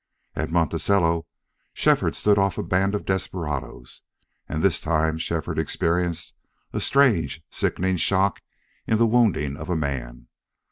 At Monticello Shefford stood off a band of desperadoes, and this time Shefford experienced a strange, sickening shock in the wounding of a man.